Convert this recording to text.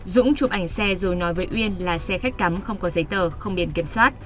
dũng chụp ảnh xe rồi nói với uyên là xe khách cắm không có giấy tờ không biển kiểm soát